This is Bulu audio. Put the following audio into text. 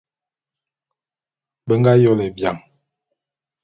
Be nga yôle bian.